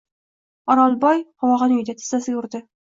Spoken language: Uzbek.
O’rolboy qovog‘ini uydi, tizzasiga urdi.